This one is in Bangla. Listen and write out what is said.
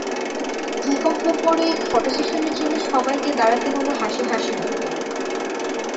কিক-অফের পরে ফটোসেশনের জন্য সবাইকে দাঁড়াতে হলো হাসি হাসি মুখ করে।